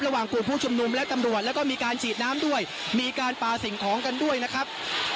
ระหว่างกลุ่มผู้ชุมนุมและตำรวจแล้วก็มีการฉีดน้ำด้วยมีการปลาสิ่งของกันด้วยนะครับ